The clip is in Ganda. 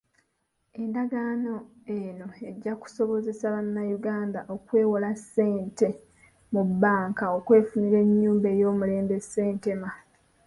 Endagaano eno ejja kusobozesa bannayuganda okwewola ssente mu bbanka okwefunira ennyumba ey'omulembe e Ssentema.